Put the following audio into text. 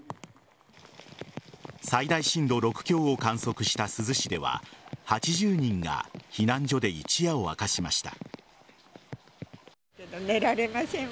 最大震度６強を観測した珠洲市では８０人が避難所で一夜を明かしました。